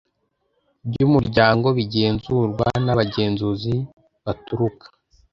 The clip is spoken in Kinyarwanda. by Umuryango bigenzurwa n Abagenzuzi baturuka